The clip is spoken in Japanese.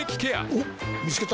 おっ見つけた。